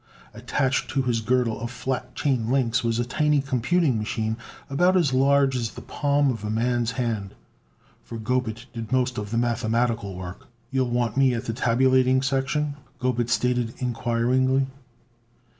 Attached to his girdle of flat chain links was a tiny computing machine about as large as the palm of a man's hand. For Gobet did most of the mathematical work. "You'll want me at the tabulating section?" Gobet stated inquiringly.